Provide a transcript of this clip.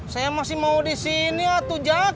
saya masih mau di sini ojak